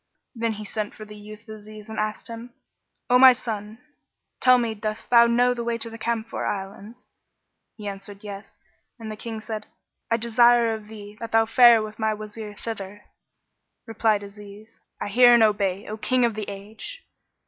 Then he sent for the youth Aziz and asked him, "O my son, tell me dost thou know the way to the Camphor Islands?" He answered "Yes"; and the King said, "I desire of thee that thou fare with my Wazir thither." Replied Aziz, "I hear and I obey, O King of the Age!"